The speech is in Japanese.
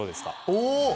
お！